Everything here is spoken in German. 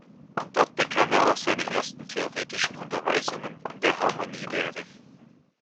Dort bekam er auch seine ersten theoretischen Unterweisungen in der Harmonielehre.